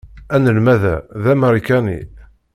Anelmad-a d Amarikani.